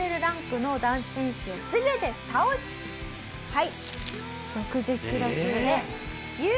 はい。